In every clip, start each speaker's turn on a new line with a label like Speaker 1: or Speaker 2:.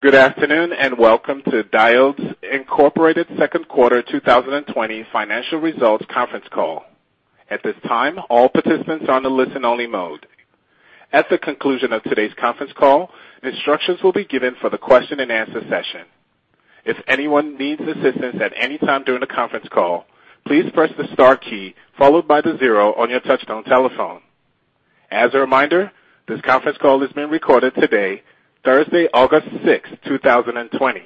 Speaker 1: Good afternoon, and welcome to Diodes Incorporated second quarter 2020 financial results conference call. At this time, all participants are on the listen only mode. At the conclusion of today's conference call, instructions will be given for the question and answer session. If anyone needs assistance at any time during the conference call, please press the star key followed by the 0 on your touchtone telephone. As a reminder, this conference call is being recorded today, Thursday, August sixth, 2020.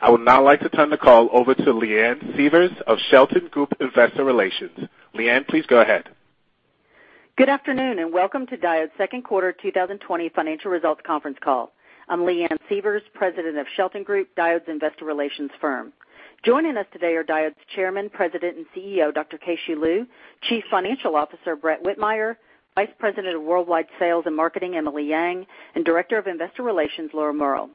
Speaker 1: I would now like to turn the call over to Leanne Sievers of Shelton Group Investor Relations. Leanne, please go ahead.
Speaker 2: Good afternoon, and welcome to Diodes second quarter 2020 financial results conference call. I'm Leanne Sievers, president of Shelton Group, Diodes investor relations firm. Joining us today are Diodes Chairman, President, and CEO, Dr. Keh-Shew Lu, Chief Financial Officer, Brett Whitmire, Vice President of Worldwide Sales and Marketing, Emily Yang, and Director of Investor Relations, Laura Murrell.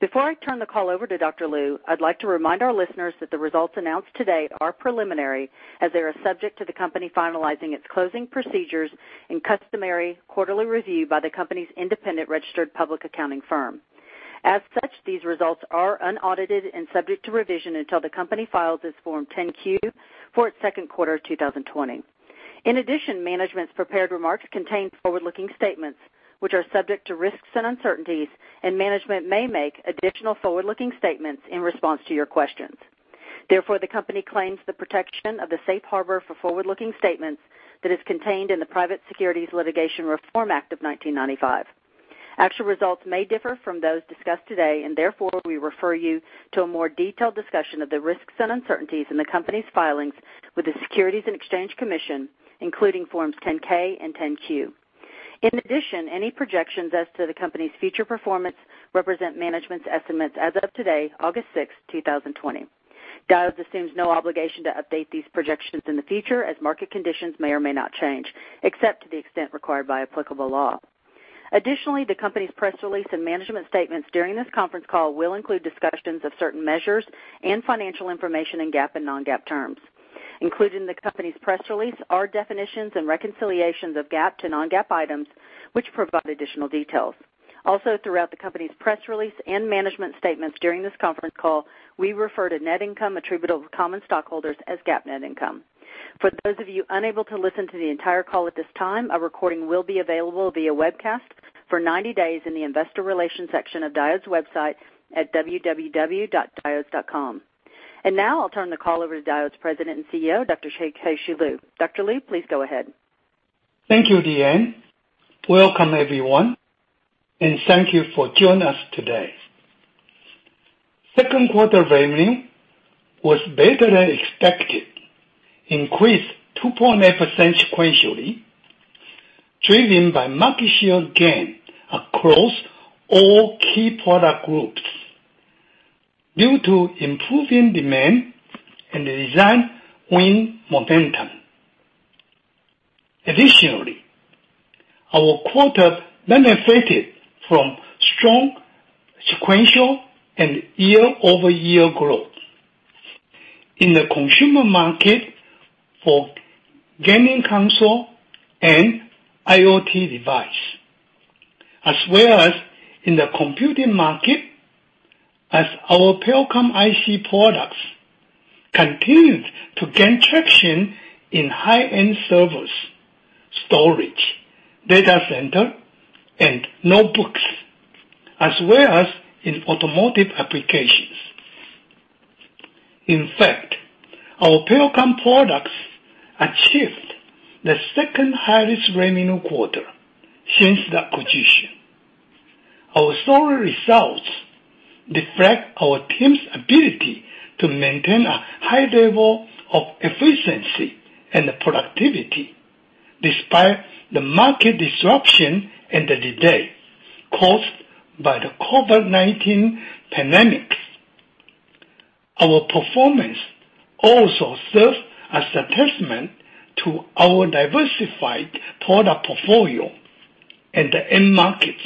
Speaker 2: Before I turn the call over to Dr. Lu, I'd like to remind our listeners that the results announced today are preliminary as they are subject to the company finalizing its closing procedures and customary quarterly review by the company's independent registered public accounting firm. As such, these results are unaudited and subject to revision until the company files its Form 10-Q for its second quarter 2020. Management's prepared remarks contain forward-looking statements, which are subject to risks and uncertainties, and management may make additional forward-looking statements in response to your questions. Therefore, the company claims the protection of the safe harbor for forward-looking statements that is contained in the Private Securities Litigation Reform Act of 1995. Actual results may differ from those discussed today, and therefore, we refer you to a more detailed discussion of the risks and uncertainties in the company's filings with the Securities and Exchange Commission, including Forms 10-K and 10-Q. Any projections as to the company's future performance represent management's estimates as of today, August sixth, 2020. Diodes assumes no obligation to update these projections in the future as market conditions may or may not change, except to the extent required by applicable law. The company's press release and management statements during this conference call will include discussions of certain measures and financial information in GAAP and non-GAAP terms. Included in the company's press release are definitions and reconciliations of GAAP to non-GAAP items which provide additional details. Throughout the company's press release and management statements during this conference call, we refer to net income attributable to common stockholders as GAAP net income. For those of you unable to listen to the entire call at this time, a recording will be available via webcast for 90 days in the investor relations section of Diodes website at www.diodes.com. I'll turn the call over to Diodes President and CEO, Dr. Keh-Shew Lu. Dr. Lu, please go ahead.
Speaker 3: Thank you, Leanne. Welcome everyone, and thank you for joining us today. Second quarter revenue was better than expected, increased 2.8% sequentially, driven by market share gain across all key product groups due to improving demand and design win momentum. Additionally, our quarter benefited from strong sequential and year-over-year growth in the consumer market for gaming console and IoT device, as well as in the computing market as our Pericom IC products continued to gain traction in high-end servers, storage, data center, and notebooks, as well as in automotive applications. In fact, our Pericom products achieved the second highest revenue quarter since the acquisition. Our solid results reflect our team's ability to maintain a high level of efficiency and productivity despite the market disruption and the delay caused by the COVID-19 pandemic. Our performance also serves as a testament to our diversified product portfolio and end markets,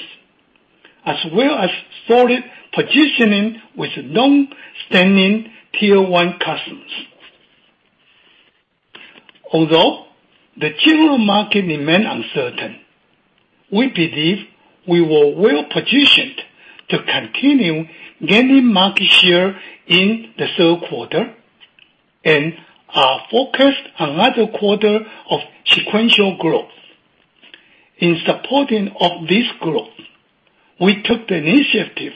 Speaker 3: as well as solid positioning with long-standing tier 1 customers. Although the general market remains uncertain, we believe we were well-positioned to continue gaining market share in the third quarter and are focused another quarter of sequential growth. In supporting of this growth, we took the initiative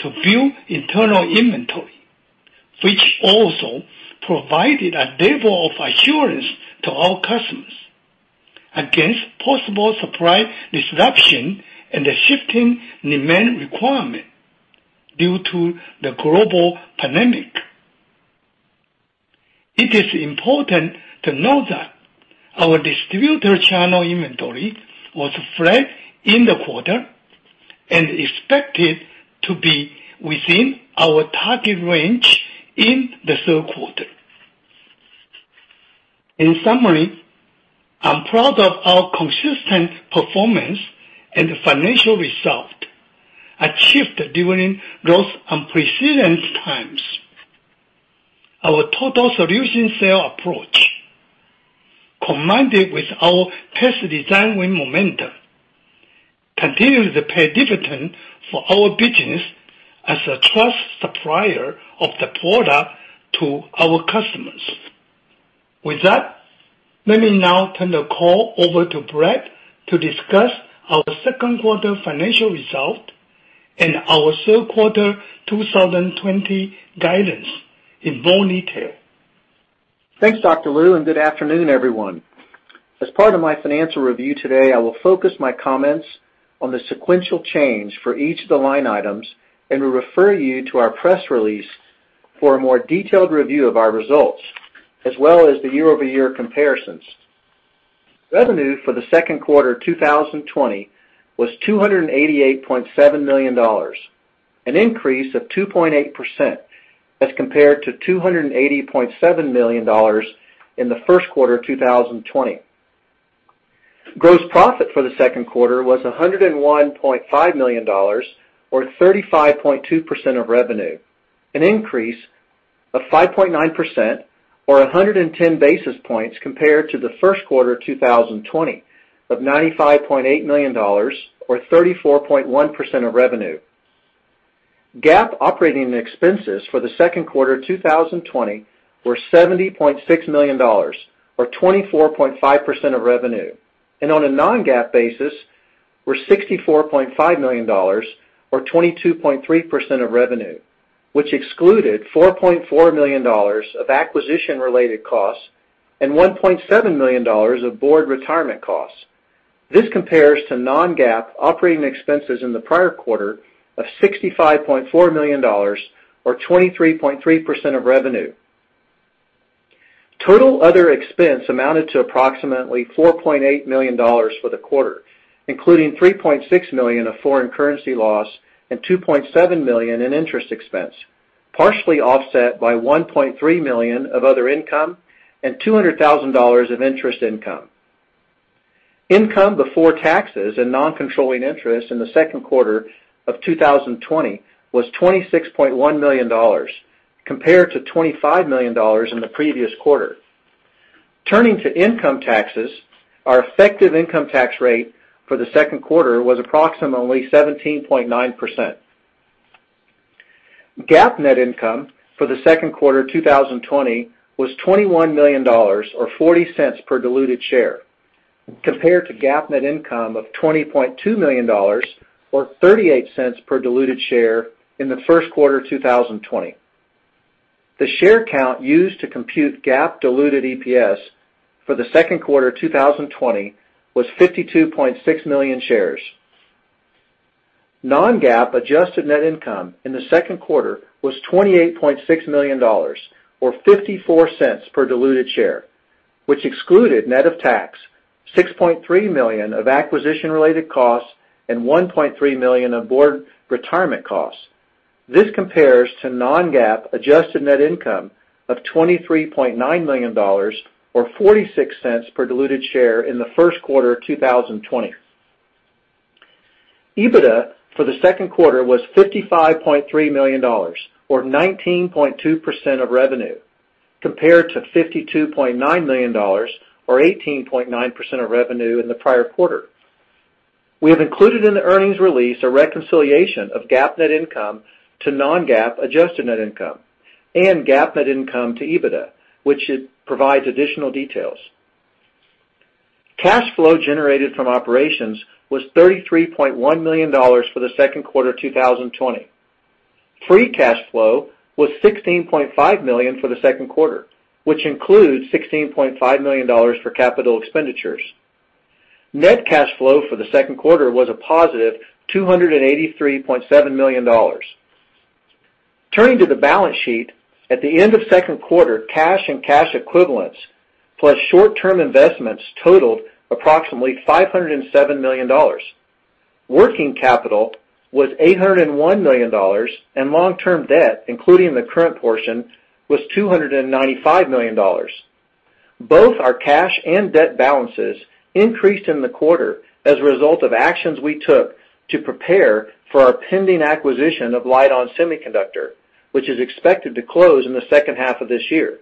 Speaker 3: to build internal inventory, which also provided a level of assurance to our customers against possible supply disruption and the shifting demand requirement due to the global pandemic. It is important to note that our distributor channel inventory was flat in the quarter and expected to be within our target range in the third quarter. In summary, I'm proud of our consistent performance and financial result achieved during those unprecedented times. Our total solution sale approach, combined with our test design win momentum, continues to pay dividends for our business as a trust supplier of the product to our customers. With that, let me now turn the call over to Brett to discuss our second quarter financial result and our third quarter 2020 guidance in more detail.
Speaker 4: Thanks, Dr. Lu, and good afternoon, everyone. As part of my financial review today, I will focus my comments on the sequential change for each of the line items and will refer you to our press release for a more detailed review of our results, as well as the year-over-year comparisons. Revenue for the second quarter 2020 was $288.7 million, an increase of 2.8% as compared to $280.7 million in the first quarter 2020. Gross profit for the second quarter was $101.5 million, or 35.2% of revenue, an increase of 5.9% or 110 basis points compared to the first quarter 2020 of $95.8 million, or 34.1% of revenue. GAAP operating expenses for the second quarter 2020 were $70.6 million, or 24.5% of revenue, and on a non-GAAP basis were $64.5 million, or 22.3% of revenue, which excluded $4.4 million of acquisition-related costs and $1.7 million of board retirement costs. This compares to non-GAAP operating expenses in the prior quarter of $65.4 million, or 23.3% of revenue. Total other expense amounted to approximately $4.8 million for the quarter, including $3.6 million of foreign currency loss and $2.7 million in interest expense, partially offset by $1.3 million of other income and $200,000 of interest income. Income before taxes and non-controlling interest in the second quarter of 2020 was $26.1 million, compared to $25 million in the previous quarter. Turning to income taxes, our effective income tax rate for the second quarter was approximately 17.9%. GAAP net income for the second quarter 2020 was $21 million, or $0.40 per diluted share, compared to GAAP net income of $20.2 million or $0.38 per diluted share in the first quarter of 2020. The share count used to compute GAAP diluted EPS for the second quarter 2020 was 52.6 million shares. Non-GAAP adjusted net income in the second quarter was $28.6 million, or $0.54 per diluted share, which excluded, net of tax, $6.3 million of acquisition-related costs and $1.3 million of board retirement costs. This compares to non-GAAP adjusted net income of $23.9 million, or $0.46 per diluted share in the first quarter of 2020. EBITDA for the second quarter was $55.3 million, or 19.2% of revenue, compared to $52.9 million, or 18.9% of revenue in the prior quarter. We have included in the earnings release a reconciliation of GAAP net income to non-GAAP adjusted net income and GAAP net income to EBITDA, which provides additional details. Cash flow generated from operations was $33.1 million for the second quarter 2020. Free cash flow was $16.5 million for the second quarter, which includes $16.5 million for capital expenditures. Net cash flow for the second quarter was a positive $283.7 million. Turning to the balance sheet, at the end of the second quarter, cash and cash equivalents plus short-term investments totaled approximately $507 million. Working capital was $801 million, and long-term debt, including the current portion, was $295 million. Both our cash and debt balances increased in the quarter as a result of actions we took to prepare for our pending acquisition of Lite-On Semiconductor, which is expected to close in the second half of this year.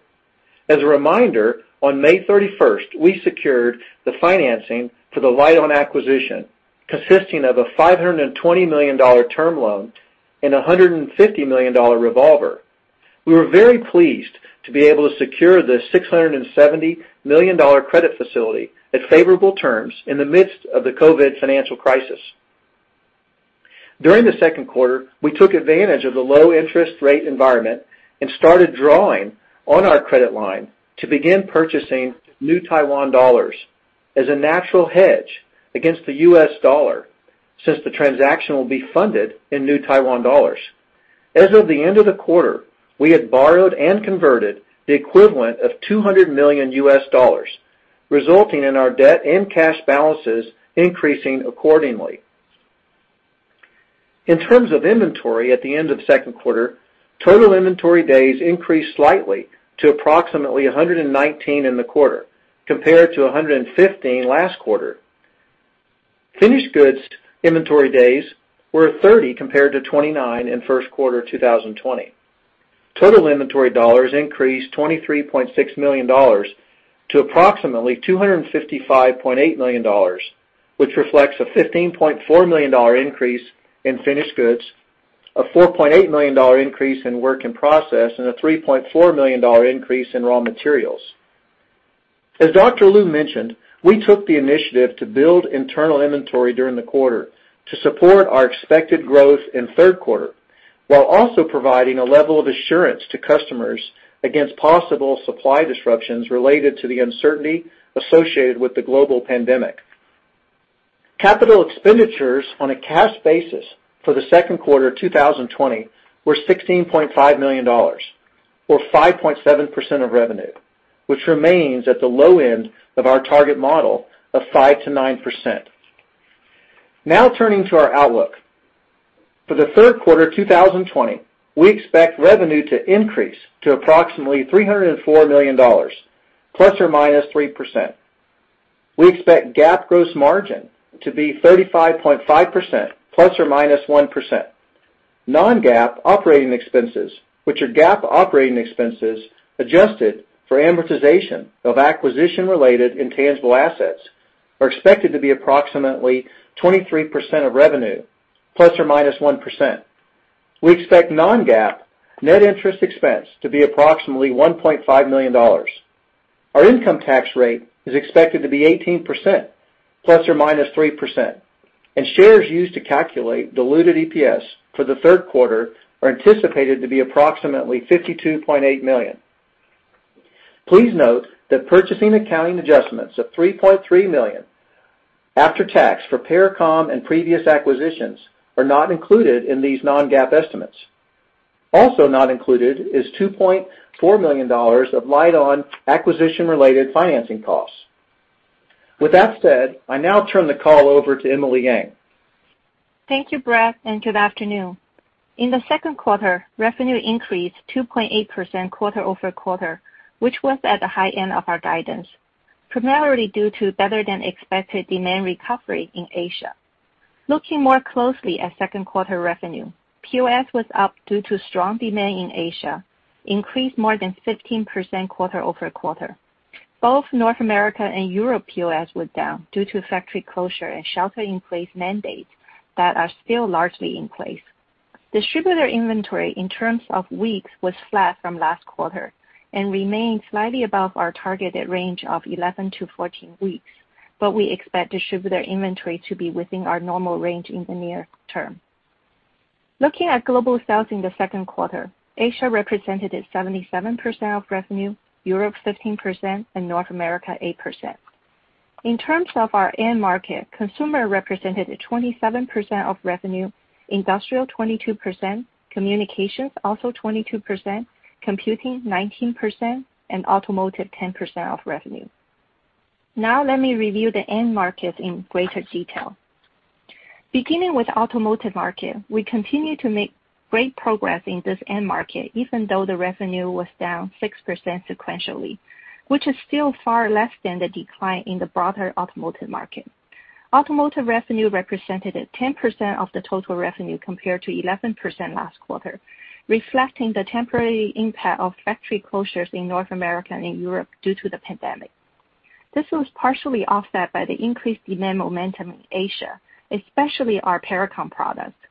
Speaker 4: As a reminder, on May 31st, we secured the financing for the Lite-On acquisition, consisting of a $520 million term loan and a $150 million revolver. We were very pleased to be able to secure the $670 million credit facility at favorable terms in the midst of the COVID financial crisis. During the second quarter, we took advantage of the low interest rate environment and started drawing on our credit line to begin purchasing New Taiwan dollars as a natural hedge against the U.S. dollar, since the transaction will be funded in New Taiwan dollars. As of the end of the quarter, we had borrowed and converted the equivalent of $200 million, resulting in our debt and cash balances increasing accordingly. In terms of inventory at the end of the second quarter, total inventory days increased slightly to approximately 119 in the quarter compared to 115 last quarter. Finished goods inventory days were 30 compared to 29 in first quarter 2020. Total inventory dollars increased $23.6 million to approximately $255.8 million, which reflects a $15.4 million increase in finished goods, a $4.8 million increase in work in process, and a $3.4 million increase in raw materials. As Dr. Lu mentioned, we took the initiative to build internal inventory during the quarter to support our expected growth in third quarter, while also providing a level of assurance to customers against possible supply disruptions related to the uncertainty associated with the global pandemic. Capital expenditures on a cash basis for the second quarter 2020 were $16.5 million, or 5.7% of revenue, which remains at the low end of our target model of 5%-9%. Turning to our outlook. For the third quarter 2020, we expect revenue to increase to approximately $304 million, ±3%. We expect GAAP gross margin to be 35.5%, ±1%. Non-GAAP operating expenses, which are GAAP operating expenses adjusted for amortization of acquisition-related intangible assets, are expected to be approximately 23% of revenue, ±1%. We expect non-GAAP net interest expense to be approximately $1.5 million. Our income tax rate is expected to be 18%, ±3%. Shares used to calculate diluted EPS for the third quarter are anticipated to be approximately 52.8 million. Please note that purchasing accounting adjustments of $3.3 million after tax for Pericom and previous acquisitions are not included in these non-GAAP estimates. Also not included is $2.4 million of Lite-On acquisition-related financing costs. I now turn the call over to Emily Yang.
Speaker 5: Thank you, Brett. Good afternoon. In the second quarter, revenue increased 2.8% quarter-over-quarter, which was at the high end of our guidance, primarily due to better-than-expected demand recovery in Asia. Looking more closely at second quarter revenue, POS was up due to strong demand in Asia, increased more than 15% quarter-over-quarter. Both North America and Europe POS were down due to factory closure and shelter-in-place mandates that are still largely in place. Distributor inventory in terms of weeks was flat from last quarter and remains slightly above our targeted range of 11-14 weeks. We expect distributor inventory to be within our normal range in the near term. Looking at global sales in the second quarter, Asia represented 77% of revenue, Europe 15%, and North America 8%. In terms of our end market, consumer represented 27% of revenue, industrial 22%, communications also 22%, computing 19%, and automotive 10% of revenue. Let me review the end markets in greater detail. Beginning with automotive market, we continue to make great progress in this end market, even though the revenue was down 6% sequentially, which is still far less than the decline in the broader automotive market. Automotive revenue represented 10% of the total revenue compared to 11% last quarter, reflecting the temporary impact of factory closures in North America and in Europe due to the pandemic. This was partially offset by the increased demand momentum in Asia, especially our Pericom products.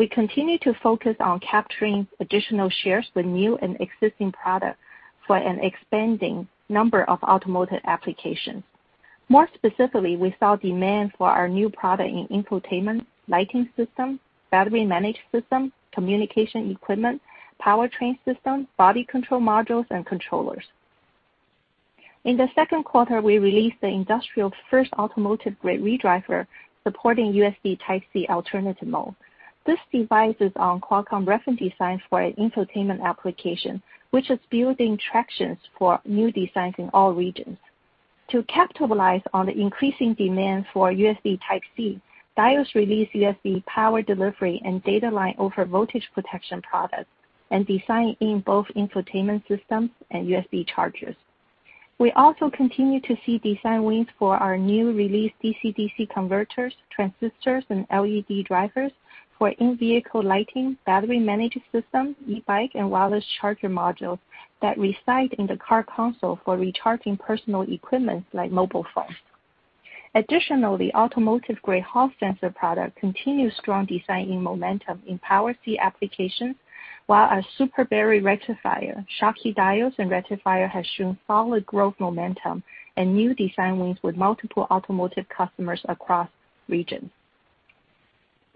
Speaker 5: We continue to focus on capturing additional shares with new and existing products for an expanding number of automotive applications. More specifically, we saw demand for our new product in infotainment, lighting systems, battery management systems, communication equipment, powertrain systems, body control modules, and controllers. In the second quarter, we released the industry's first automotive-grade redriver supporting USB Type-C alternative mode. This device is on Qualcomm reference design for an infotainment application, which is building traction for new designs in all regions. To capitalize on the increasing demand for USB Type-C, Diodes released USB Power Delivery and data line over voltage protection products and design in both infotainment systems and USB chargers. We also continue to see design wins for our newly released DC-DC converters, transistors, and LED drivers for in-vehicle lighting, battery management systems, e-bike, and wireless charger modules that reside in the car console for recharging personal equipment like mobile phones. Additionally, automotive-grade Hall sensor products continue strong design-in momentum in power seat applications, while our Super Barrier Rectifier, Schottky diodes and rectifiers have shown solid growth momentum and new design wins with multiple automotive customers across regions.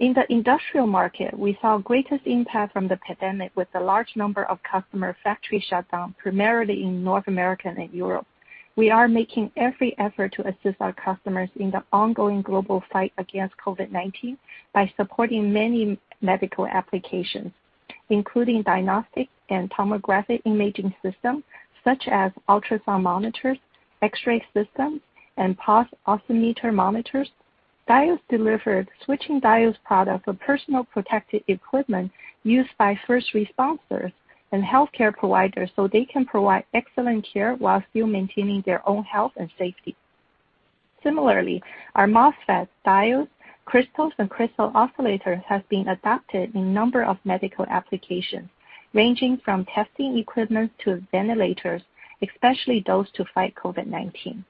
Speaker 5: In the industrial market, we saw greatest impact from the pandemic with a large number of customer factory shutdowns, primarily in North America and Europe. We are making every effort to assist our customers in the ongoing global fight against COVID-19 by supporting many medical applications, including diagnostic and tomographic imaging systems, such as ultrasound monitors, X-ray systems, and pulse oximeter monitors. Diodes delivered switching diodes products for personal protective equipment used by first responders and healthcare providers so they can provide excellent care while still maintaining their own health and safety. Similarly, our MOSFETs, diodes, crystals, and crystal oscillators have been adopted in a number of medical applications, ranging from testing equipment to ventilators, especially those to fight COVID-19. We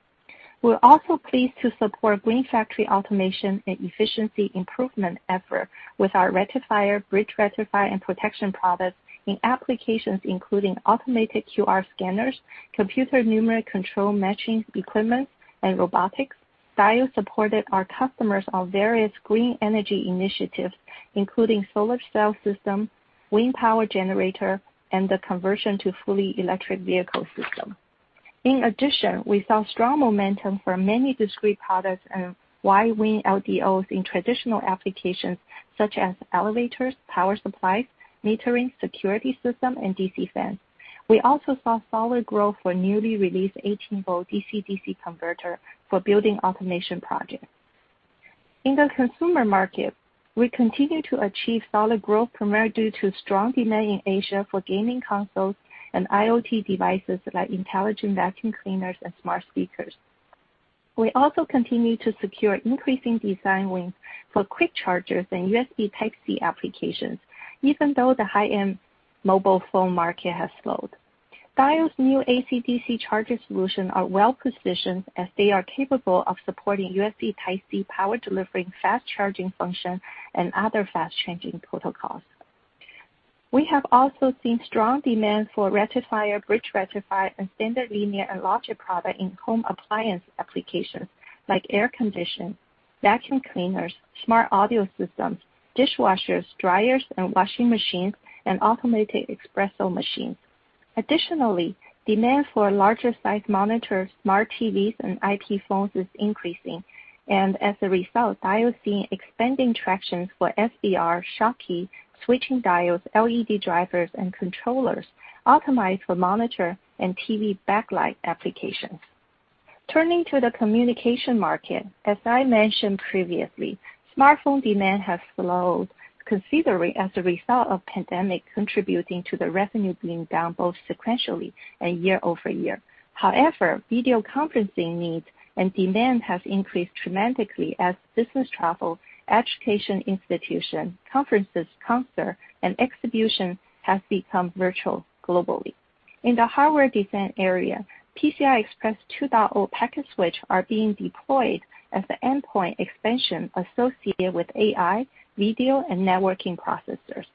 Speaker 5: are also pleased to support green factory automation and efficiency improvement effort with our rectifier, bridge rectifier, and protection products in applications including automated QR scanners, computer numeric control machining equipment, and robotics. Diodes supported our customers on various green energy initiatives, including solar cell systems, wind power generators, and the conversion to fully electric vehicle systems. In addition, we saw strong momentum for many discrete products and wide Vin LDOs in traditional applications such as elevators, power supplies, metering, security systems, and DC fans. We also saw solid growth for newly released 18-volt DC-DC converter for building automation projects. In the consumer market, we continue to achieve solid growth, primarily due to strong demand in Asia for gaming consoles and IoT devices like intelligent vacuum cleaners and smart speakers. We also continue to secure increasing design wins for quick chargers and USB Type-C applications, even though the high-end mobile phone market has slowed. Diodes' new AC-DC charger solutions are well positioned as they are capable of supporting USB Type-C Power Delivery fast charging function and other fast charging protocols. We have also seen strong demand for rectifier, bridge rectifier, and standard linear and logic products in home appliance applications like air conditioning, vacuum cleaners, smart audio systems, dishwashers, dryers and washing machines, and automated espresso machines. Additionally, demand for larger size monitors, smart TVs, and IP phones is increasing, and as a result, Diodes is seeing expanding traction for SBR Schottky switching diodes, LED drivers, and controllers optimized for monitor and TV backlight applications. Turning to the communication market, as I mentioned previously, smartphone demand has slowed considerably as a result of pandemic, contributing to the revenue being down both sequentially and year-over-year. However, video conferencing needs and demand has increased dramatically as business travel, education institution, conferences, concert, and exhibition has become virtual globally. In the hardware design area, PCI Express 2.0 packet switch are being deployed as the endpoint expansion associated with AI, video, and networking processors.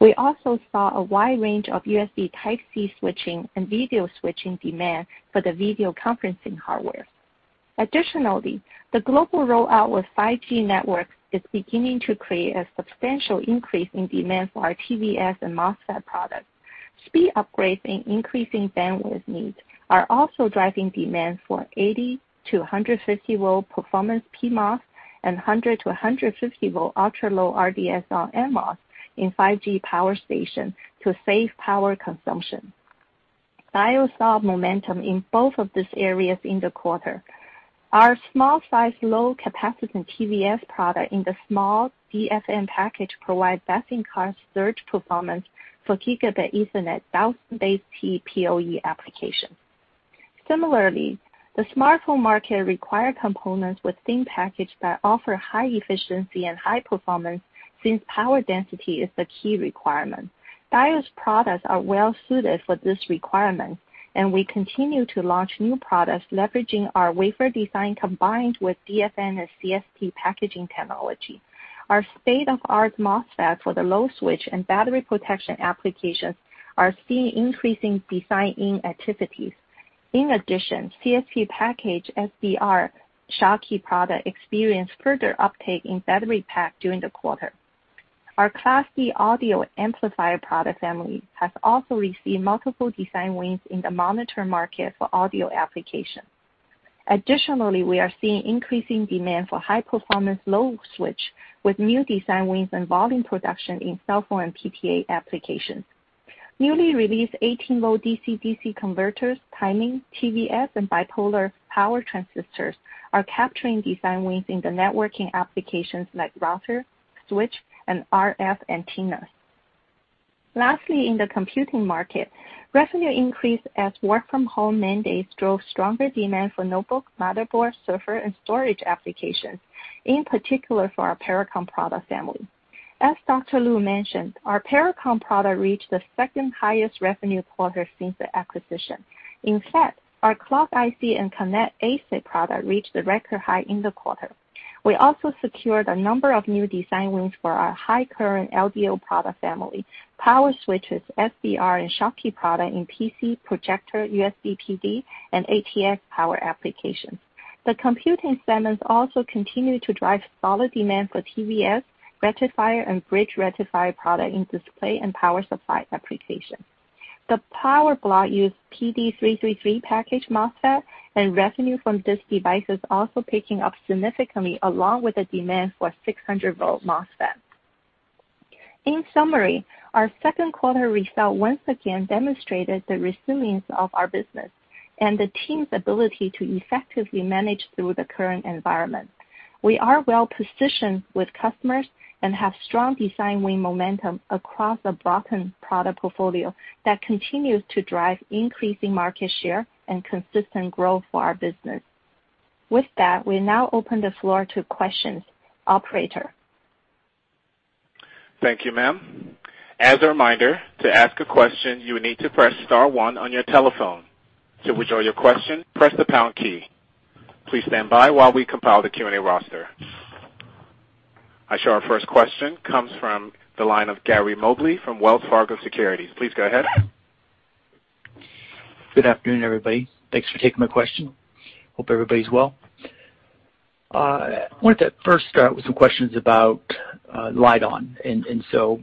Speaker 5: We also saw a wide range of USB Type-C switching and video switching demand for the video conferencing hardware. Additionally, the global rollout with 5G networks is beginning to create a substantial increase in demand for our TVS and MOSFET products. Speed upgrades and increasing bandwidth needs are also driving demand for 80-150-volt performance PMOS and 100-150-volt ultra low RDS(on) NMOS in 5G power station to save power consumption. Diodes saw momentum in both of these areas in the quarter. Our small size, low capacitance TVS product in the small DFN package provide best-in-class surge performance for Gigabit Ethernet source-based PoE application. Similarly, the smartphone market require components with thin package that offer high efficiency and high performance since power density is the key requirement. Diodes products are well suited for this requirement, and we continue to launch new products leveraging our wafer design combined with DFN and CSP packaging technology. Our state-of-art MOSFET for the low switch and battery protection applications are seeing increasing design-in activities. In addition, CSP package SBR Schottky product experienced further uptake in battery pack during the quarter. Our Class D audio amplifier product family has also received multiple design wins in the monitor market for audio applications. Additionally, we are seeing increasing demand for high performance low switch with new design wins and volume production in cell phone and PTA applications. Newly released 18-volt DC-DC converters, timing, TVS, and bipolar power transistors are capturing design wins in the networking applications like router, switch, and RF antennas. Lastly, in the computing market, revenue increased as work from home mandates drove stronger demand for notebook, motherboard, server, and storage applications, in particular for our Pericom product family. As Dr. Lu mentioned, our Pericom product reached the second highest revenue quarter since the acquisition. In fact, our clock IC and connectivity ASIC product reached the record high in the quarter. We also secured a number of new design wins for our high current LDO product family, power switches, SBR, and Schottky product in PC, projector, USB PD, and ATX power applications. The computing segments also continued to drive solid demand for TVS, rectifier, and bridge rectifier product in display and power supply applications. The power block used PowerDI3333 package MOSFET and revenue from this device is also picking up significantly, along with the demand for 600-volt MOSFET. In summary, our second quarter result once again demonstrated the resilience of our business and the team's ability to effectively manage through the current environment. We are well positioned with customers and have strong design win momentum across a broadened product portfolio that continues to drive increasing market share and consistent growth for our business. With that, we now open the floor to questions. Operator?
Speaker 1: Thank you, ma'am. As a reminder, to ask a question, you will need to press star one on your telephone. To withdraw your question, press the pound key. Please stand by while we compile the Q&A roster. I show our first question comes from the line of Gary Mobley from Wells Fargo Securities. Please go ahead.
Speaker 6: Good afternoon, everybody. Thanks for taking my question. Hope everybody's well. I wanted to first start with some questions about Lite-On.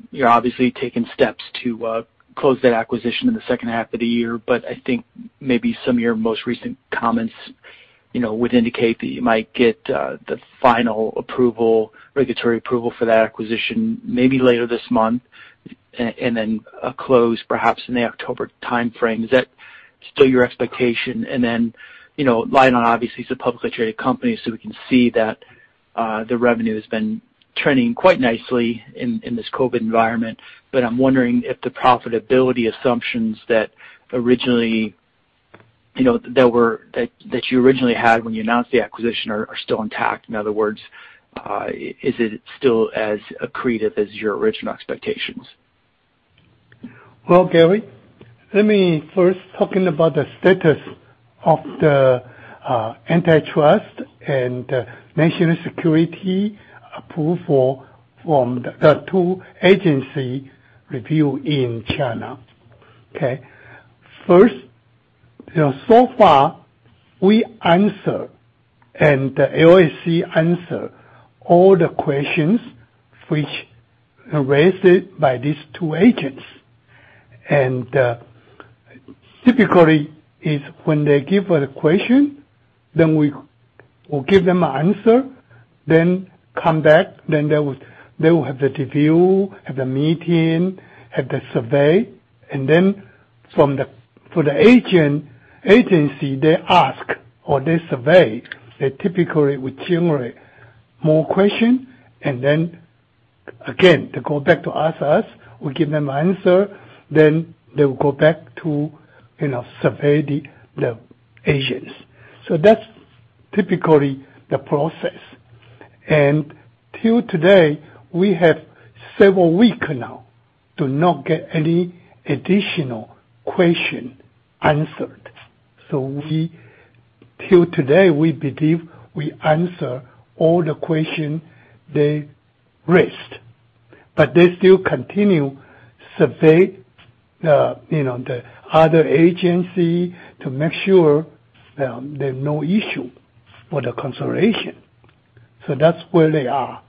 Speaker 6: You're obviously taking steps to close that acquisition in the second half of the year, but I think maybe some of your most recent comments would indicate that you might get the final approval, regulatory approval for that acquisition, maybe later this month, and then a close perhaps in the October timeframe. Is that still your expectation? Lite-On obviously is a publicly traded company, so we can see that the revenue has been trending quite nicely in this COVID environment. I'm wondering if the profitability assumptions that you originally had when you announced the acquisition are still intact. In other words, is it still as accretive as your original expectations?
Speaker 3: Well, Gary, let me first talking about the status of the antitrust and national security approval from the two agency review in China. Okay? First, so far we answer, and the LSC answer all the questions which raised by these two agents. Typically is when they give an question, then we will give them an answer, then come back, then they will have the review, have the meeting, have the survey. Then for the agency, they ask, or they survey, they typically would generate more question, then again, they go back to ask us. We give them an answer, then they will go back to survey the agents. That's typically the process. Till today, we have several week now to not get any additional question answered. We, till today, we believe we answer all the question they raised. They still continue survey the other agency to make sure there are no issue for the consideration. That's where they are.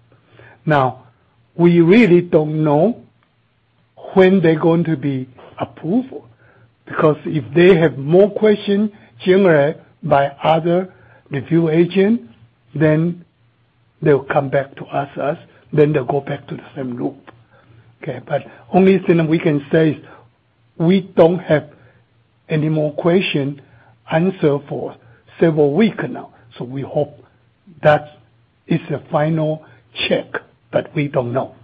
Speaker 3: We really don't know when they're going to be approval, because if they have more question generated by other review agent, they'll come back to ask us, they'll go back to the same loop. Okay? Only thing we can say is we don't have any more question answered for several week now. We hope that is the final check, but we don't know.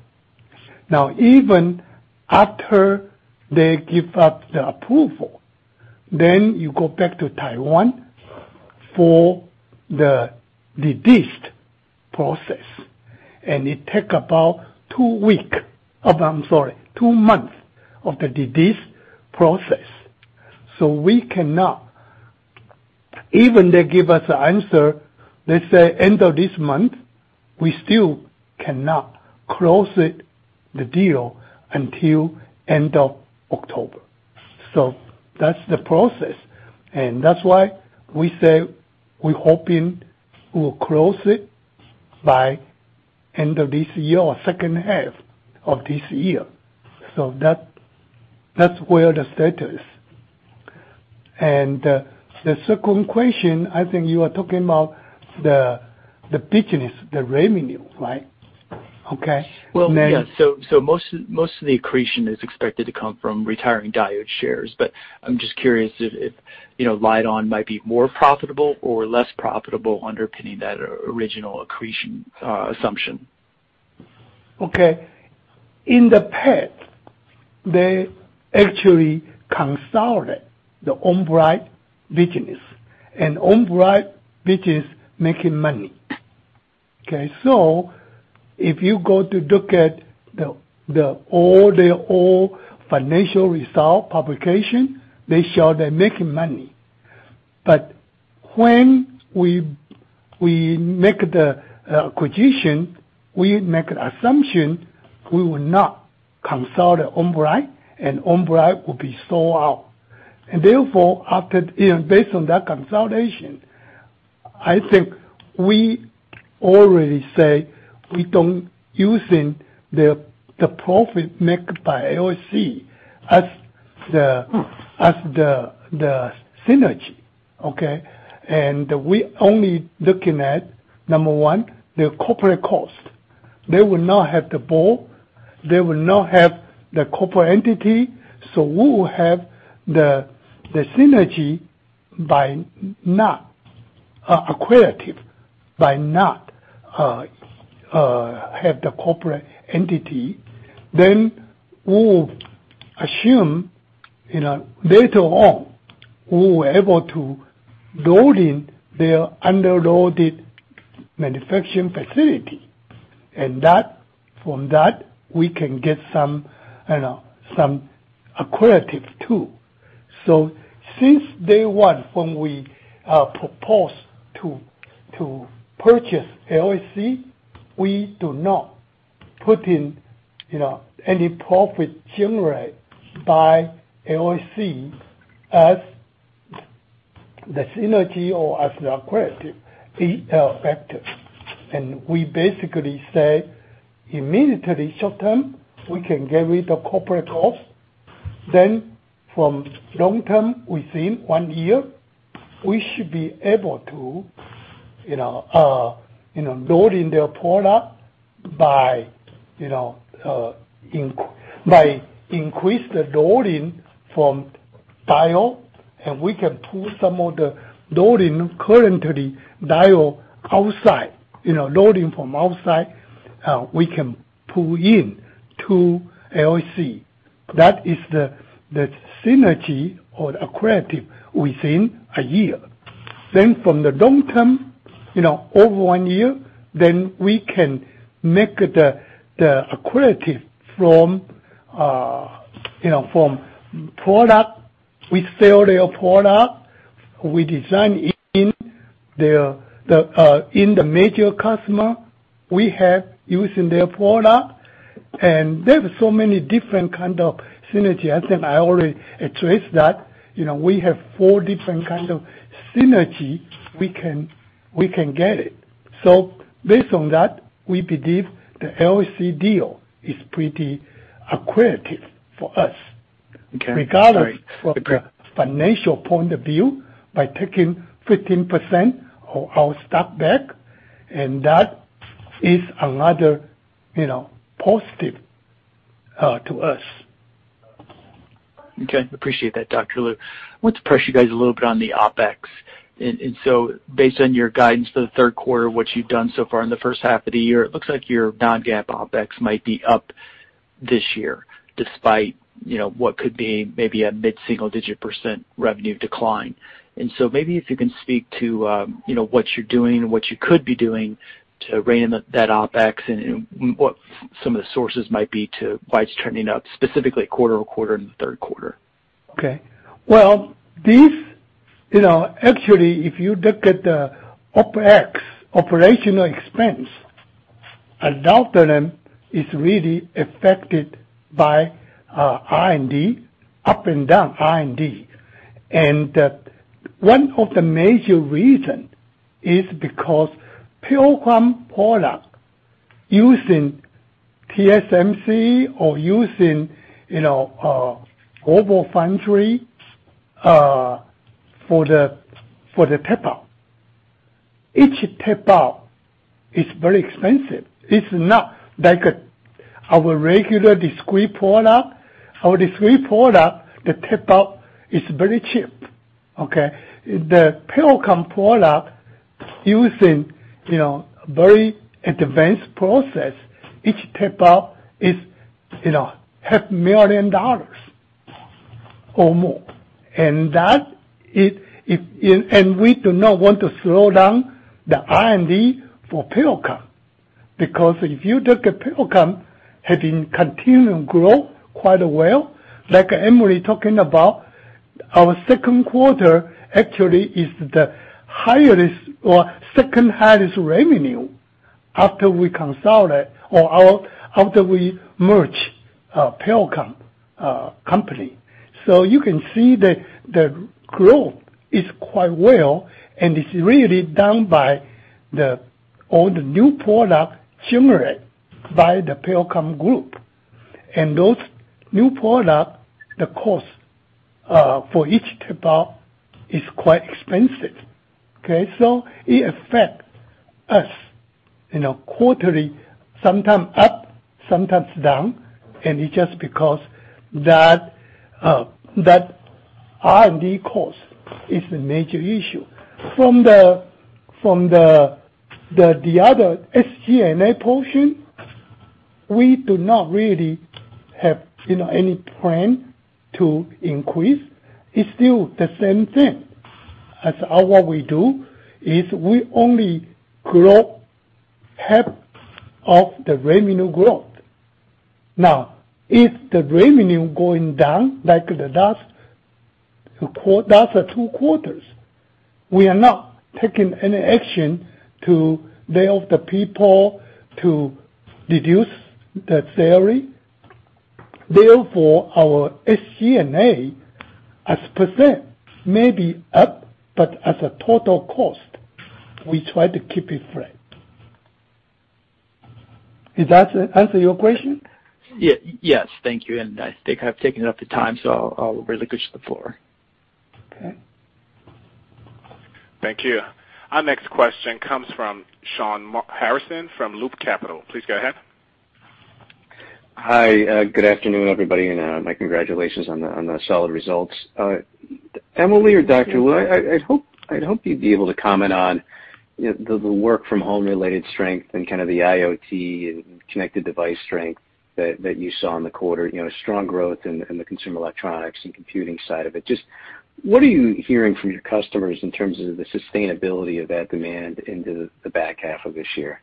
Speaker 3: Even after they give us the approval, you go back to Taiwan for the deal process, and it take about two week, I'm sorry, two month of the deal process. We cannot, even they give us an answer, let's say end of this month, we still cannot close it, the deal, until end of October. That's the process, that's why we say we're hoping we will close it by end of this year or second half of this year. That's where the status. The second question, I think you are talking about the business, the revenue, right? Okay.
Speaker 6: Well, yeah. Most of the accretion is expected to come from retiring Diodes shares, but I'm just curious if Lite-On might be more profitable or less profitable underpinning that original accretion assumption.
Speaker 3: Okay. In the past, they actually consulted the On-Bright business, On-Bright business making money. Okay? If you go to look at all their old financial result publication, they show they're making money. When we make the acquisition, we make an assumption we will not consult On-Bright, On-Bright will be sold out. Therefore, based on that consultation, I think we already say we don't using the profit made by LSC as the synergy. Okay? We only looking at, number one, the corporate cost. They will not have the board. They will not have the corporate entity. We will have the synergy by not acquisitive, by not have the corporate entity. We'll assume, later on, we're able to load in their underloaded manufacturing facility. From that, we can get some acquisitive too. Since day one, when we propose to purchase LSC, we do not put in any profit generated by LSC as the synergy or as the accretive effect. We basically say, immediately short term, we can get rid of corporate cost. From long term, within one year, we should be able to load in their product by increased loading from Diodes, and we can pull some of the loading currently Diodes outside, loading from outside, we can pull in to LSC. That is the synergy or the accretive within a year. From the long term, over one year, then we can make the accretive from product. We sell their product. We design in the major customer. We have using their product. There's so many different kind of synergy. I think I already addressed that. We have four different kind of synergy we can get it. Based on that, we believe the LSC deal is pretty accretive for us.
Speaker 6: Okay. Great.
Speaker 3: Regardless from the financial point of view, by taking 15% of our stock back, and that is another positive to us.
Speaker 6: Okay. Appreciate that, Dr. Lu. I want to press you guys a little bit on the OpEx. Based on your guidance for the third quarter, what you've done so far in the first half of the year, it looks like your non-GAAP OpEx might be up this year, despite what could be maybe a mid-single digit % revenue decline. Maybe if you can speak to what you're doing and what you could be doing to rein in that OpEx and what some of the sources might be to why it's turning up, specifically quarter-over-quarter in the third quarter.
Speaker 3: Okay. Well, actually, if you look at the OpEx, operational expense, a lot of them is really affected by R&D, up and down R&D. One of the major reason is because Pericom product using TSMC or using GlobalFoundries for the tape-out. Each tape-out is very expensive. It's not like our regular discrete product. Our discrete product, the tape-out is very cheap, okay? The Pericom product using very advanced process, each tape-out is half million dollars or more. We do not want to slow down the R&D for Pericom, because if you look at Pericom, having continued to grow quite well, like Emily talking about, our second quarter actually is the highest or second highest revenue after we consolidate or after we merge Pericom company. You can see the growth is quite well, and it's really done by all the new product generated by the Pericom group. Those new product, the cost for each tape-out is quite expensive. Okay, it affect us quarterly, sometimes up, sometimes down, and it's just because that R&D cost is the major issue. From the other SG&A portion, we do not really have any plan to increase. It's still the same thing. As what we do, is we only grow half of the revenue growth. Now, if the revenue going down like the last 2 quarters, we are not taking any action to lay off the people, to reduce the salary. Therefore, our SG&A as % may be up, but as a total cost, we try to keep it flat. Does that answer your question?
Speaker 6: Yes. Thank you. I think I've taken up the time, I'll release the floor.
Speaker 3: Okay.
Speaker 1: Thank you. Our next question comes from Shawn Harrison from Loop Capital. Please go ahead.
Speaker 7: Hi. Good afternoon, everybody, my congratulations on the solid results. Emily or Dr. Lu, I'd hope you'd be able to comment on the work from home related strength and kind of the IoT and connected device strength that you saw in the quarter, strong growth in the consumer electronics and computing side of it. What are you hearing from your customers in terms of the sustainability of that demand into the back half of this year?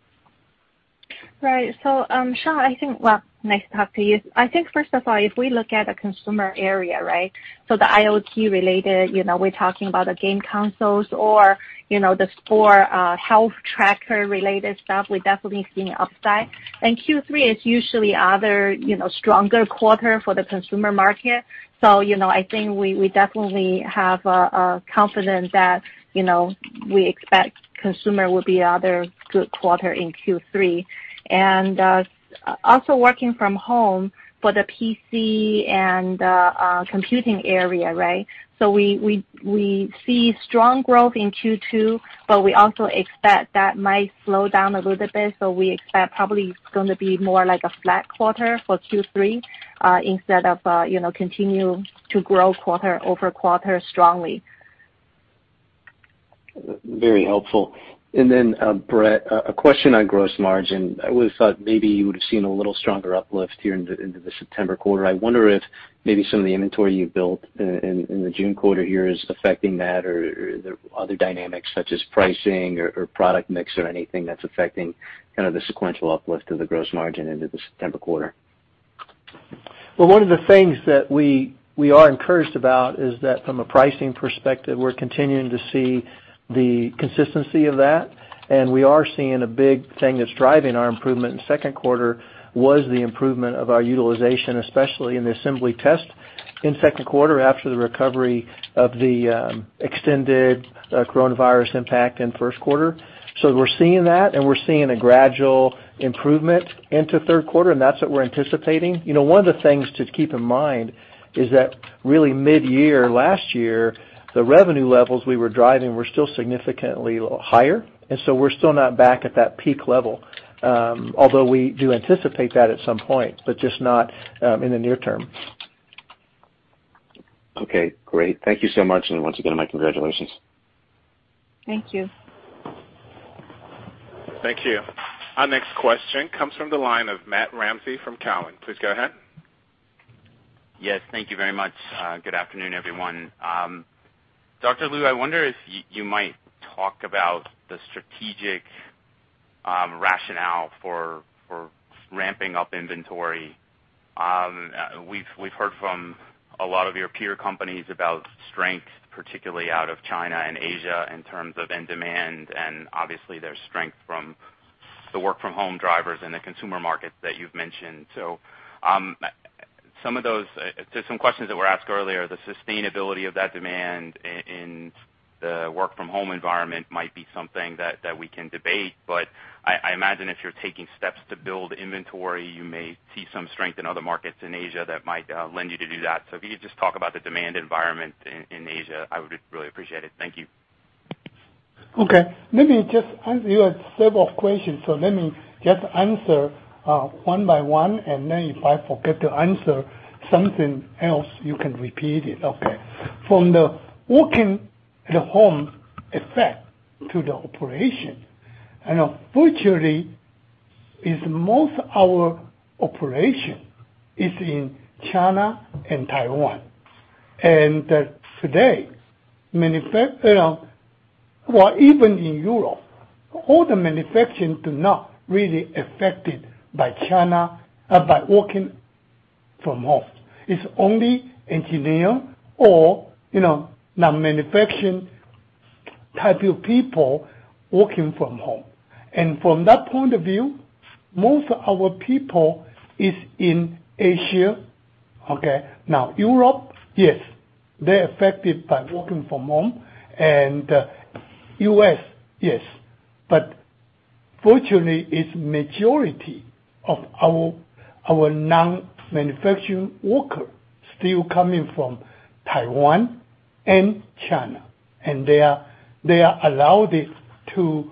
Speaker 5: Shawn, nice to talk to you. First of all, if we look at a consumer area. The IoT related, we're talking about the game consoles or the sport health tracker related stuff, we're definitely seeing upside. Q3 is usually a stronger quarter for the consumer market. We definitely have a confidence that we expect consumer will be a good quarter in Q3. Also working from home for the PC and computing area. We see strong growth in Q2, but we also expect that might slow down a little bit. We expect probably it's going to be more like a flat quarter for Q3, instead of continue to grow quarter-over-quarter strongly.
Speaker 7: Very helpful. Brett, a question on gross margin. I would've thought maybe you would've seen a little stronger uplift here into the September quarter. I wonder if maybe some of the inventory you built in the June quarter here is affecting that, or are there other dynamics such as pricing or product mix or anything that's affecting kind of the sequential uplift of the gross margin into the September quarter?
Speaker 4: One of the things that we are encouraged about is that from a pricing perspective, we're continuing to see the consistency of that, and we are seeing a big thing that's driving our improvement in second quarter was the improvement of our utilization, especially in the assembly test in second quarter after the recovery of the extended coronavirus impact in first quarter. We're seeing that, and we're seeing a gradual improvement into third quarter, and that's what we're anticipating. One of the things to keep in mind is that really mid-year last year, the revenue levels we were driving were still significantly higher, and so we're still not back at that peak level. Although we do anticipate that at some point, but just not in the near term.
Speaker 7: Great. Thank you so much, and once again, my congratulations.
Speaker 5: Thank you.
Speaker 1: Thank you. Our next question comes from the line of Matthew Ramsay from Cowen. Please go ahead.
Speaker 8: Yes, thank you very much. Good afternoon, everyone. Dr. Lu, I wonder if you might talk about the strategic rationale for ramping up inventory. We've heard from a lot of your peer companies about strength, particularly out of China and Asia, in terms of end demand, and obviously their strength from the work from home drivers and the consumer markets that you've mentioned. To some questions that were asked earlier, the sustainability of that demand in the work from home environment might be something that we can debate, but I imagine if you're taking steps to build inventory, you may see some strength in other markets in Asia that might lend you to do that. If you could just talk about the demand environment in Asia, I would really appreciate it. Thank you.
Speaker 3: Okay. You had several questions, let me just answer one by one, and if I forget to answer something else, you can repeat it. Okay. From the working at home effect to the operation, fortunately, is most our operation is in China and Taiwan. Today, well, even in Europe, all the manufacturing do not really affected by working from home. It's only engineer or non-manufacturing type of people working from home. From that point of view, most our people is in Asia. Okay? Now, Europe, yes, they're affected by working from home, and U.S., yes. Fortunately, it's majority of our non-manufacturing worker still coming from Taiwan and China, and they are allowed to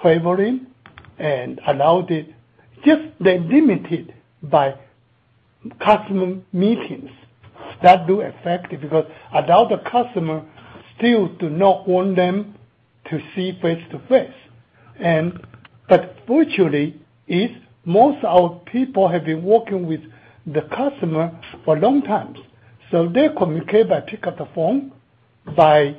Speaker 3: traveling and allowed it. Just they're limited by customer meetings. That do affect it, because a lot of customer still do not want them to see face-to-face. Fortunately, most our people have been working with the customer for long times. They communicate by pick up the phone, by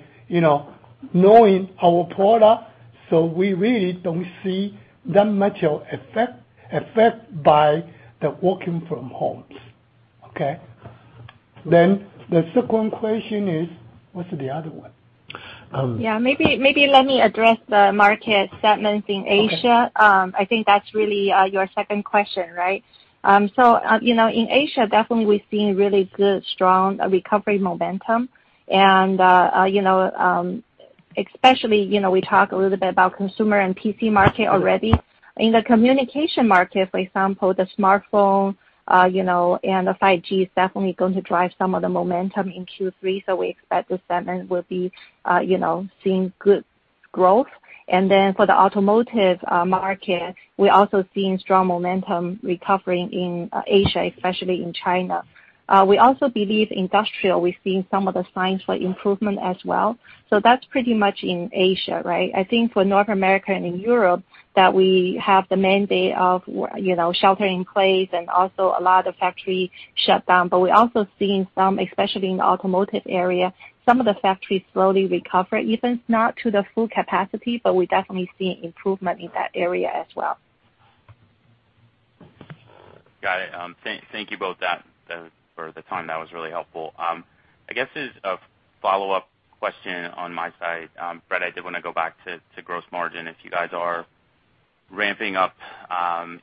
Speaker 3: knowing our product, we really don't see that much of effect by the working from homes. Okay? The second question is, what's the other one?
Speaker 5: Yeah, maybe let me address the market segments in Asia.
Speaker 3: Okay.
Speaker 5: I think that's really your second question, right? In Asia, definitely we've seen really good, strong recovery momentum and especially, we talked a little bit about consumer and PC market already. In the communication market, for example, the smartphone, and the 5G is definitely going to drive some of the momentum in Q3. We expect the segment will be seeing good growth. For the automotive market, we're also seeing strong momentum recovering in Asia, especially in China. We also believe industrial, we're seeing some of the signs for improvement as well. That's pretty much in Asia, right? I think for North America and in Europe, that we have the mandate of shelter in place and also a lot of factory shutdown. We're also seeing some, especially in the automotive area, some of the factories slowly recover, even if not to the full capacity, but we're definitely seeing improvement in that area as well.
Speaker 8: Got it. Thank you both for the time. That was really helpful. I guess as a follow-up question on my side, Brett, I did want to go back to gross margin. If you guys are ramping up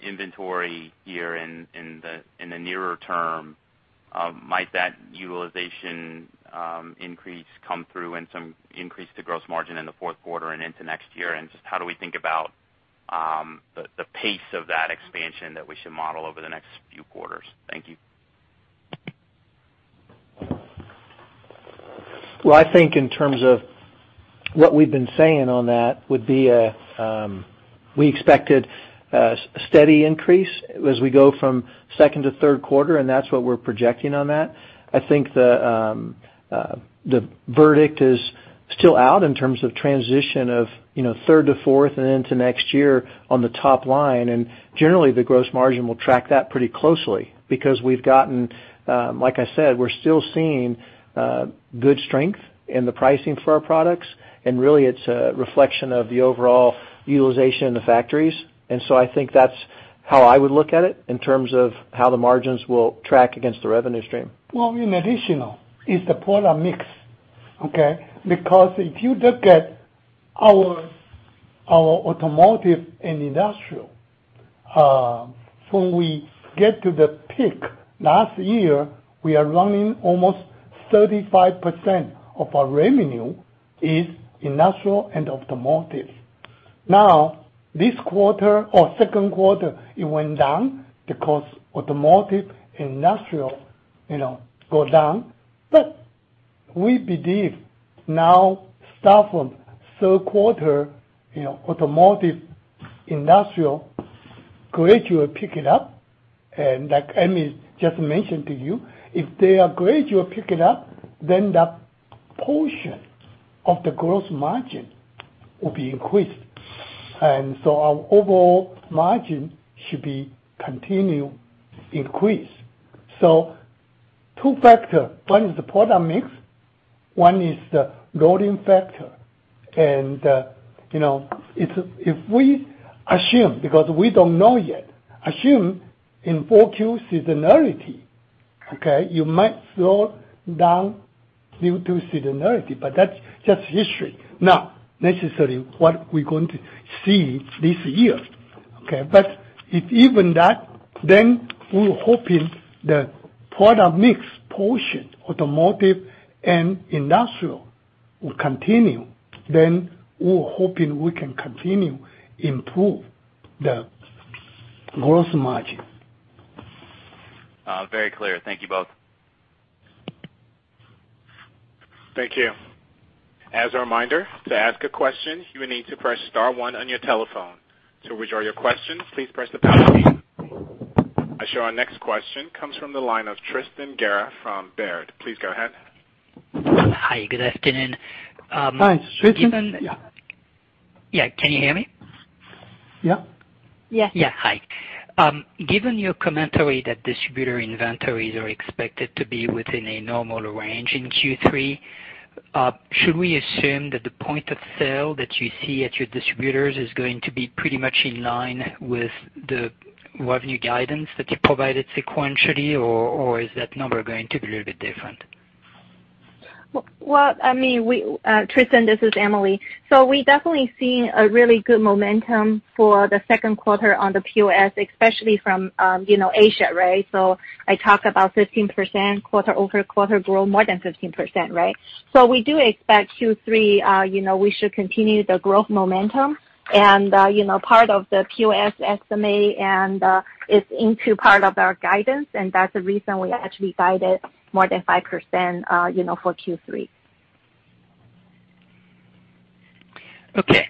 Speaker 8: inventory here in the nearer term, might that utilization increase come through in some increase to gross margin in the fourth quarter and into next year? Just how do we think about the pace of that expansion that we should model over the next few quarters? Thank you.
Speaker 4: Well, I think in terms of what we've been saying on that would be, we expected a steady increase as we go from second to third quarter, and that's what we're projecting on that. I think the verdict is still out in terms of transition of third to fourth and into next year on the top line, and generally, the gross margin will track that pretty closely because we've gotten, like I said, we're still seeing good strength in the pricing for our products, and really it's a reflection of the overall utilization in the factories. I think that's how I would look at it in terms of how the margins will track against the revenue stream.
Speaker 3: In addition, it's the product mix. If you look at our automotive and industrial, when we get to the peak last year, we are running almost 35% of our revenue is industrial and automotive. This quarter or second quarter, it went down because automotive, industrial go down. We believe now, start from third quarter, automotive, industrial gradually pick it up, and like Emily just mentioned to you, if they are gradually picking up, then that portion of the gross margin will be increased. Our overall margin should be continue increase. Two factor, one is the product mix, one is the loading factor. If we assume, because we don't know yet, assume in 4Q seasonality, you might slow down due to seasonality, but that's just history. Not necessarily what we're going to see this year. If even that, we're hoping the product mix portion, automotive and industrial, will continue, then we're hoping we can continue improve the gross margin.
Speaker 8: Very clear. Thank you both.
Speaker 1: Thank you. As a reminder, to ask a question, you will need to press star one on your telephone. To withdraw your question, please press the pound key. I show our next question comes from the line of Tristan Gerra from Baird. Please go ahead.
Speaker 9: Hi. Good afternoon.
Speaker 3: Hi, Tristan. Yeah.
Speaker 9: Yeah. Can you hear me?
Speaker 3: Yeah.
Speaker 5: Yes.
Speaker 9: Yeah. Hi. Given your commentary that distributor inventories are expected to be within a normal range in Q3, should we assume that the point of sale that you see at your distributors is going to be pretty much in line with the revenue guidance that you provided sequentially, or is that number going to be a little bit different?
Speaker 5: Well, Tristan, this is Emily. We definitely see a really good momentum for the second quarter on the POS, especially from Asia, right? I talk about 15% quarter-over-quarter growth, more than 15%, right? We do expect Q3, we should continue the growth momentum and part of the POS estimate and it's into part of our guidance, and that's the reason we actually guided more than 5% for Q3.
Speaker 9: Okay.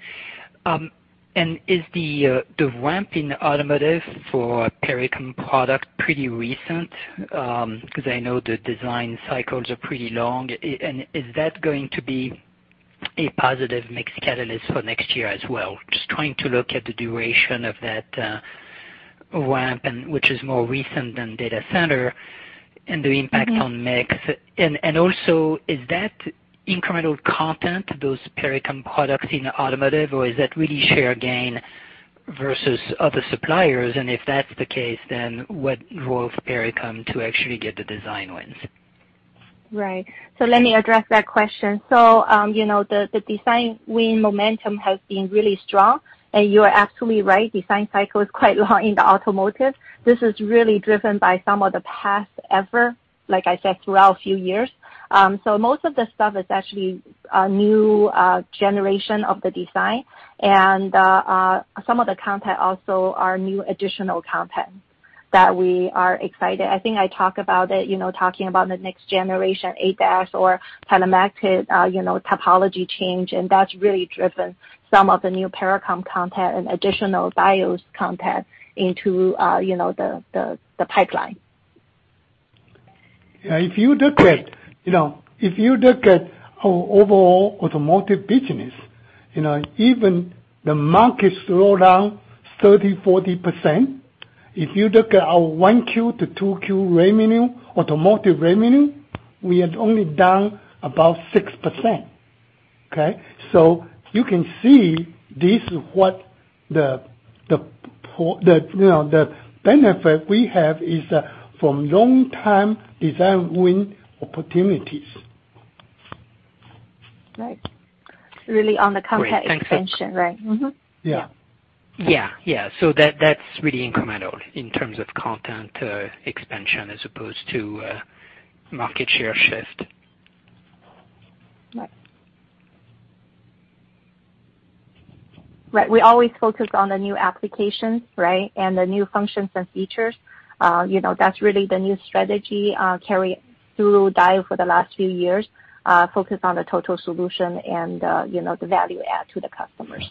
Speaker 9: Is the ramp in automotive for Pericom product pretty recent? Because I know the design cycles are pretty long. Is that going to be a positive mix catalyst for next year as well? Just trying to look at the duration of that ramp and which is more recent than data center and the impact on mix. Also, is that incremental content, those Pericom products in automotive, or is that really share gain versus other suppliers, and if that's the case, what role for Pericom to actually get the design wins?
Speaker 5: Right. Let me address that question. The design win momentum has been really strong, and you are absolutely right, design cycle is quite long in the automotive. This is really driven by some of the past effort, like I said, throughout a few years. Most of the stuff is actually a new generation of the design. Some of the content also are new additional content. That we are excited. I think I talk about it, talking about the next generation ADAS or telematics topology change, and that's really driven some of the new Pericom content and additional Diodes content into the pipeline.
Speaker 3: Yeah, if you look at our overall automotive business, even the market slowed down 30%, 40%. If you look at our 1Q to 2Q revenue, automotive revenue, we are only down about 6%. Okay? You can see this is what the benefit we have is from long-term design win opportunities.
Speaker 5: Right. Really on the content expansion, right?
Speaker 3: Yeah.
Speaker 9: Yeah. That's really incremental in terms of content expansion as opposed to market share shift.
Speaker 5: Right. We always focus on the new applications, right, and the new functions and features. That's really the new strategy carry through Diodes for the last few years, focus on the total solution and the value add to the customers.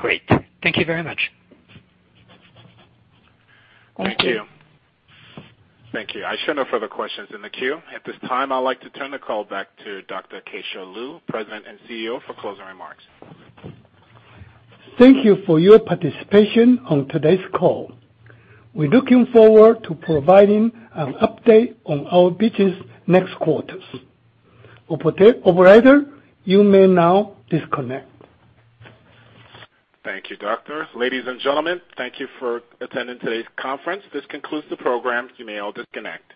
Speaker 9: Great. Thank you very much.
Speaker 5: Thank you.
Speaker 3: Thank you.
Speaker 1: Thank you. I show no further questions in the queue. At this time, I'd like to turn the call back to Dr. Keh-Shew Lu, President and CEO, for closing remarks.
Speaker 3: Thank you for your participation on today's call. We're looking forward to providing an update on our business next quarters. Operator, you may now disconnect.
Speaker 1: Thank you, doctor. Ladies and gentlemen, thank you for attending today's conference. This concludes the program. You may all disconnect.